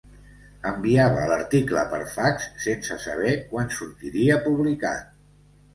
Enviava l'article per fax sense saber quan sortiria publicat.